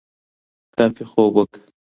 کافي خوب وکړه